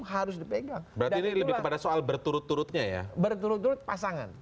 harus dipegang berarti lebih kepada soal berturut turut nya ya berturut turut pasangan